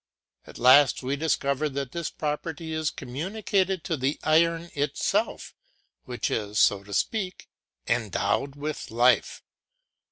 At last we discover that this property is communicated to the iron itself, which is, so to speak, endowed with life.